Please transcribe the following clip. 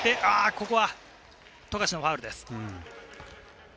ここは富樫のファウルです。